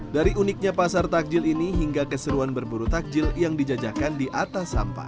dari uniknya pasar takjil ini hingga keseruan berburu takjil yang dijajakan di atas sampah